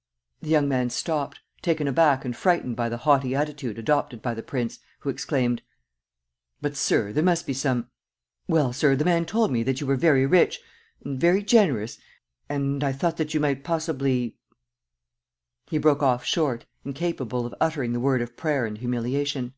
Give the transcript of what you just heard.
..." The young man stopped, taken aback and frightened by the haughty attitude adopted by the prince, who exclaimed: "But, sir, there must be some ..." "Well, sir, the man told me that you were very rich ... and very generous. ... And I thought that you might possibly ..." He broke off short, incapable of uttering the word of prayer and humiliation.